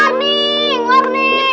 ada kabar penting